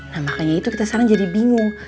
nah makanya itu kita sekarang jadi bingung